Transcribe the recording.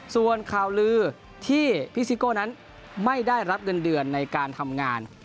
ส่วนข่าวลือที่พี่ซิโก้นั้นไม่ได้รับเงินเดือนในการทำงาน